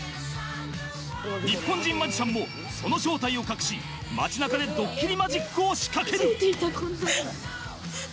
日本人マジシャンもその正体を隠し街中でドッキリマジックを仕掛ける。